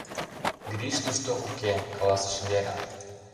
— Гриш тушто уке, — каласыш Вера.